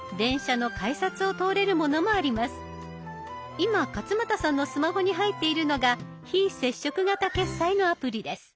今勝俣さんのスマホに入っているのが非接触型決済のアプリです。